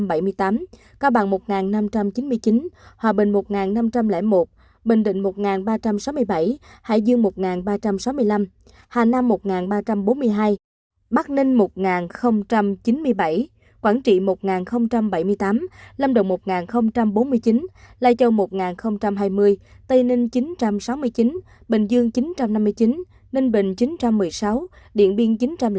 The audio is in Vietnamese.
bắc cạng một sáu trăm bảy mươi tám cao bằng một năm trăm chín mươi chín hòa bình một năm trăm linh một bình định một ba trăm sáu mươi bảy hải dương một ba trăm sáu mươi năm hà nam một ba trăm bốn mươi hai bắc ninh một chín mươi bảy quảng trị một bảy mươi tám lâm đồng một bốn mươi chín lai châu một hai mươi tây ninh chín sáu mươi chín bình dương chín năm mươi chín ninh bình chín một mươi sáu điện biên chín một trăm linh bảy